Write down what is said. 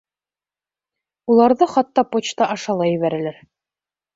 Уларҙы хатта почта аша ла ебәрәләр.